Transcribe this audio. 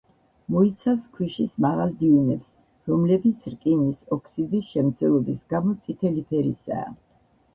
მოიცავს ქვიშის მაღალ დიუნებს, რომლებიც რკინის ოქსიდის შემცველობის გამო წითელი ფერისაა.